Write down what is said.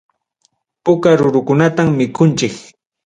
Puka rurukunatam mikunchik.